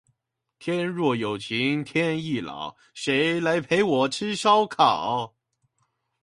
天若有情天亦老，誰來陪我吃燒烤